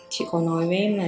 chị có nói với em là